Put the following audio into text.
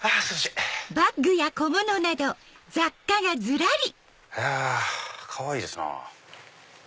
いやかわいいですな。